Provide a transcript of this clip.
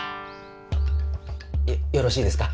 よろしいですか？